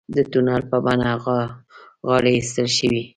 د تونل په بڼه غارې ایستل شوي.